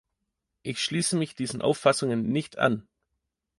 Ich schließe mich diesen Auffassungen nicht an.